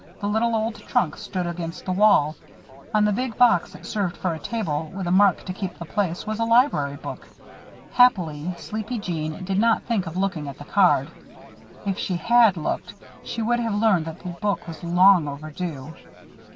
The little old trunk stood against the wall. On the big box that served for a table, with a mark to keep the place, was a library book. Happily, sleepy Jeanne did not think of looking at the card. If she had looked, she would have learned that the book was long overdue.